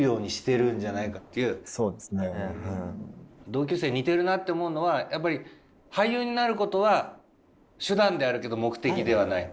同級生似てるなって思うのはやっぱり俳優になることは手段であるけど目的ではない。